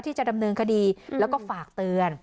ที่จะดำเนินคดีแล้วก็ฝากเตือน